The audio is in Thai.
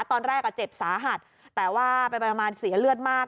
ตอนแรกอ่ะเจ็บสาหัสแต่ว่าไปประมาณเสียเลือดมาก